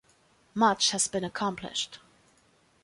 Much has been accomplished.